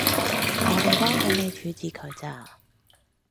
我哋幫緊你處置佢咋